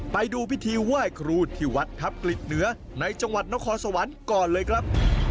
ไปดูพิธีไหว้ครูที่วัดทัพกฤษเหนือในจังหวัดนครสวรรค์ก่อนเลยครับ